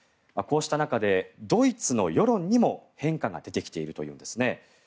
こうした中で、ドイツの世論にも変化が出てきているというんですね。